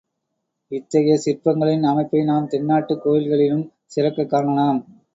இத்தகைய சிற்பங்களின் அமைப்பை நம் தென்னாட்டுக் கோயில்களிலும் சிறக்கக் காணலாம்.